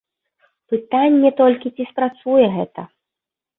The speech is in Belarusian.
Пытанне толькі, ці спрацуе гэта.